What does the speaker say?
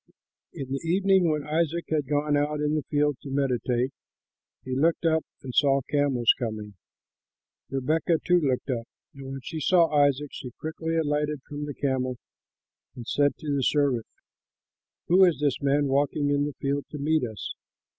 In the evening, when Isaac had gone out in the field to meditate, he looked up and saw camels coming. Rebekah too looked up, and when she saw Isaac, she quickly alighted from the camel and said to the servant, "Who is this man walking in the field to meet us?"